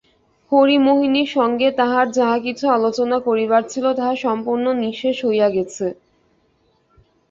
হরিমোহিনীর সঙ্গে তাহার যাহা-কিছু আলোচনা করিবার ছিল তাহা সম্পূর্ণ নিঃশেষ হইয়া গেছে।